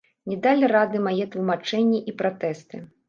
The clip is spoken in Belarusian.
Не далі рады мае тлумачэнні і пратэсты.